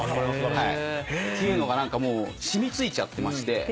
っていうのが何かもう染みついちゃってまして。